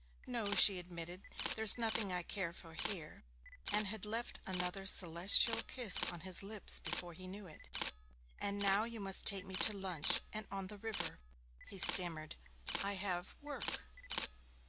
'No,' she admitted; 'there's nothing I care for here,' and had left another celestial kiss on his lips before he knew it. 'And now you must take me to lunch and on the river.' He stammered, 'I have work.'